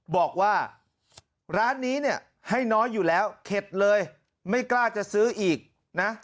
บอกว่าร้านนี้เนี่ยให้น้อยอยู่แล้วเข็ดเลยไม่กล้าจะซื้ออีกนะ